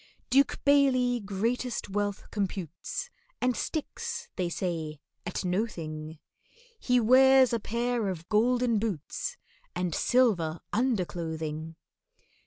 DUKE BAILEY greatest wealth computes, And sticks, they say, at no thing, He wears a pair of golden boots And silver underclothing.